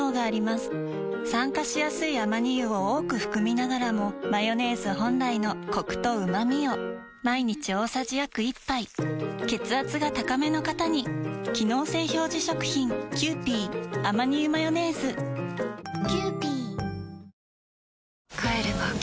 酸化しやすいアマニ油を多く含みながらもマヨネーズ本来のコクとうまみを毎日大さじ約１杯血圧が高めの方に機能性表示食品キャー！！！